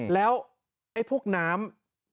แล้วพวกน้ำ